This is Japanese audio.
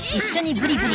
ブリブリ！